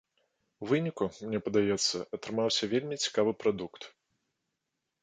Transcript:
У выніку, мне падаецца, атрымаўся вельмі цікавы прадукт.